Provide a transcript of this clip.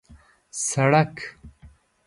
سړک